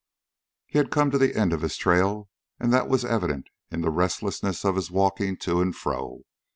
He had come to the end of his trail, and that was evident in the restlessness of his walking to and fro.